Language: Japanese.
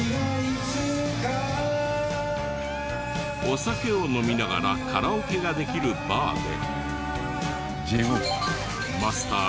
お酒を飲みながらカラオケができるバーで。